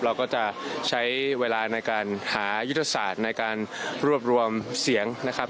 เราก็จะใช้เวลาในการหายุทธศาสตร์ในการรวบรวมเสียงนะครับ